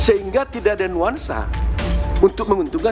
sehingga tidak ada nuansa untuk menguntungkan